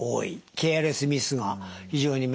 ケアレスミスが非常に目立つ。